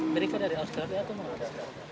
mereka dari australia atau mengatasi